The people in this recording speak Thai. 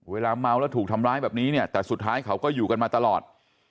เวลาเมาแล้วถูกทำร้ายแบบนี้เนี่ยแต่สุดท้ายเขาก็อยู่กันมาตลอด